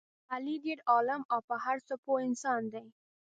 علي ډېر عالم او په هر څه پوه انسان دی.